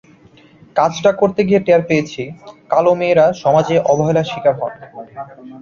কাজটা করতে গিয়ে টের পেয়েছি, কালো মেয়েরা সমাজে অবহেলার শিকার হন।